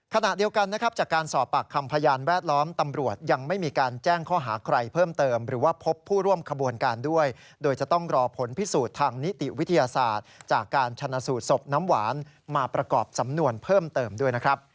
ขณะเดียวกันนะครับจากการสอบปากคำพยานแวดล้อมตำรวจยังไม่มีการแจ้งข้อหาใครเพิ่มเติมหรือว่าพบผู้ร่วมขบวนการด้วยโดยจะต้องรอผลพิสูจน์ทางนิติวิทยาศาสตร์จากการชนะสูตรศพน้ำหวานมาประกอบสำนวนเพิ่มเติมด้วยนะครับ